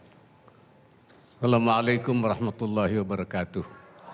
assalamualaikum warahmatullahi wabarakatuh